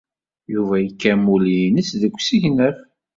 Yuba yekka amulli-nnes deg usegnaf.